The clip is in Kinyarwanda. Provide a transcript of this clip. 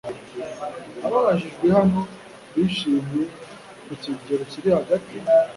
ababajijwe baho bishimye ku kigero kiri hagati